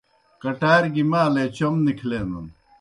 کٹار گیْ مالے چوْم نِکھلینَن۔